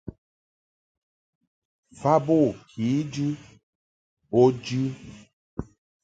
Fa bo kejɨ bo jɨ.